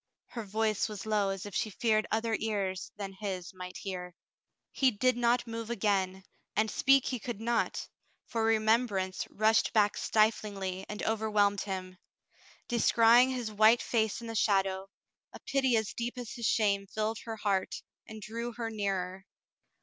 Her voice was low as if she feared other ears than his might hear. He did not move again, and speak he could not, for remembrance rushed back stiflingly and overwhelmed him. Descrying his white face in the shadow, a pity as deep as his shame filled her heart and drew her nearer.